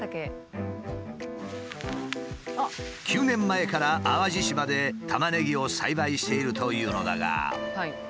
９年前から淡路島でタマネギを栽培しているというのだが。